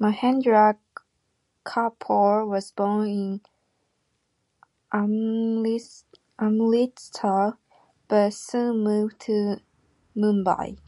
Mahendra Kapoor was born in Amritsar, but soon moved to Mumbai.